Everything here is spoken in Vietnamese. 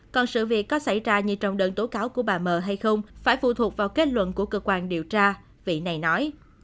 còn sự việc có xảy ra như trong đơn tố cáo của bà m hay không phải phụ thuộc vào kết luận của cơ quan điều tra vị này nói